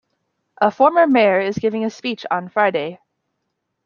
A former mayor is giving a speech on Friday.